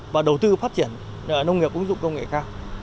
và đầu tư phát triển nông nghiệp ứng dụng công nghệ cao